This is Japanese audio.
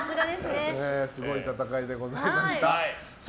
すごい戦いでございました。